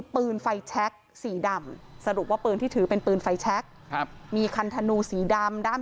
ปืนไฟแช๊กสีดำสรุปว่าปืนที่ถือเป็นปืนไฟแช๊กครับ